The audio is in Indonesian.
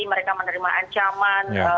mereka menerima ancaman